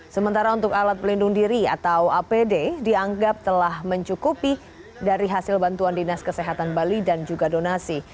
sementara untuk alat pelindung diri atau apd dianggap telah mencukupi dari hasil bantuan dinas kesehatan bali dan juga donasi